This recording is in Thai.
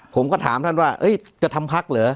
ผมก็ถามท่านว่าเอ้ยกระทำภักร์เหรอ